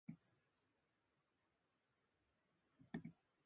記憶の中の海には何もないんだよ。電線の先もさ、何もないんだ。